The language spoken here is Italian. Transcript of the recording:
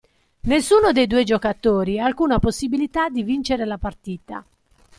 Nessuno dei due giocatori ha alcuna possibilità di vincere la partita.